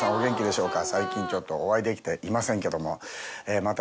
最近ちょっとお会いできていませんけどもまた。